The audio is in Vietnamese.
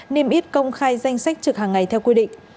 nên ít công khai danh sách trực hàng ngày theo quy định